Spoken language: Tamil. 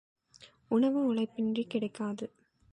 உணவு, உழைப்பின்றிக் கிடைக்காது.